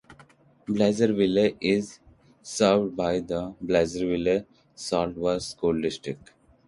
Blairsville is served by the Blairsville-Saltsburg School District.